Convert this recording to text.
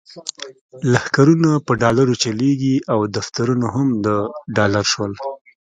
لښکرونه په ډالرو چلیږي او دفترونه هم د ډالر شول.